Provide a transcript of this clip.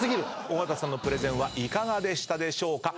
尾形さんのプレゼンはいかがでしたでしょうか？